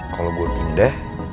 kalau gue pindah